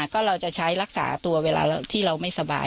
ก็เราจะใช้รักษาตัวเวลาที่เราไม่สบาย